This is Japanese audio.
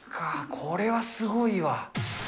これはすごいわ。